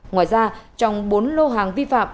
ngoài ra trong bốn lô hàng vi phạm